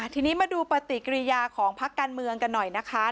ทีนี้มาดูปฏิกิริยาของพักการเมืองกันหน่อยนะคะ